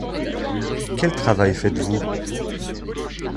Quel travail faites-vous ?